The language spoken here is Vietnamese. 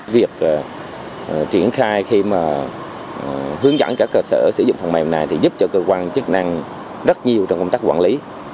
việc triển khai khi mà hướng dẫn cả cơ sở sử dụng phần mềm này thì giúp cho cơ quan chức năng rất nhiều trong công tác quản lý